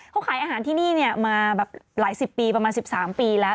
เขาขายอาหารที่นี่มาแบบหลายสิบปีประมาณ๑๓ปีแล้ว